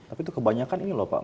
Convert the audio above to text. tapi itu kebanyakan ini lho pak